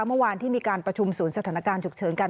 เมื่อวานที่มีการประชุมศูนย์สถานการณ์ฉุกเฉินกัน